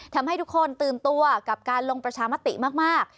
ทำให้ทุกคนตื่นตัวกับการลงประชามติมาก